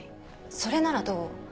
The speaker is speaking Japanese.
それならどう？